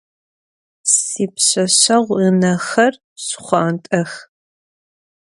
Sipşseşseğu ınexer şşxhuant'ex.